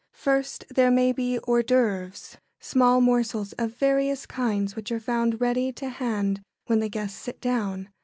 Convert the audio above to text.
] First, there may be hors d'œuvres, small morsels of various kinds which are found ready to hand when the guests sit down.